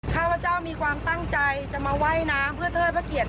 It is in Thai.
ข้าพเจ้ามีความตั้งใจจะมาว่ายน้ำเพื่อเทิดพระเกียรติ